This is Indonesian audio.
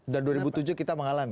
dua ribu tujuh kita mengalami